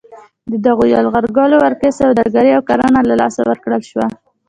د دغو یرغلګرو ولکې سوداګري او کرنه له لاسه ورکړل شوه.